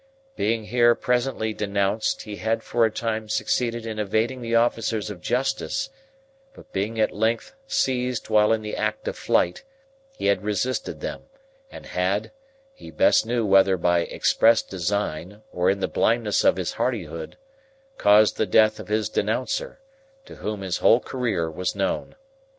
Being here presently denounced, he had for a time succeeded in evading the officers of Justice, but being at length seized while in the act of flight, he had resisted them, and had—he best knew whether by express design, or in the blindness of his hardihood—caused the death of his denouncer, to whom his whole career was known.